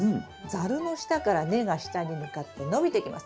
ザルの下から根が下に向かって伸びていきます。